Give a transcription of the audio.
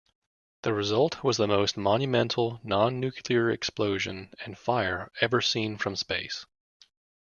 The result was the most monumental non-nuclear explosion and fire ever seen from space.